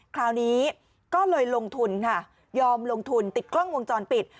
คราวนี้ก็เลยลงทุนค่ะยอมลงทุนติดกล้องวงจรปิด